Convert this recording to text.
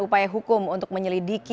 upaya hukum untuk menyelidiki